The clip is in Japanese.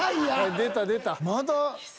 出た出た。